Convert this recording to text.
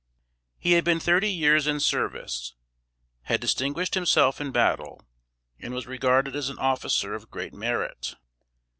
He had been thirty years in service; had distinguished himself in battle, and was regarded as an officer of great merit.